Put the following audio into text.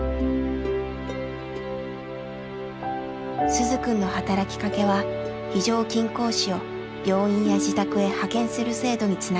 鈴くんの働きかけは非常勤講師を病院や自宅へ派遣する制度につながりました。